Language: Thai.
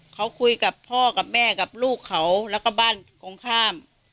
เขาคุยกับพ่อกับแม่กับลูกเขาแล้วก็บ้านตรงข้าม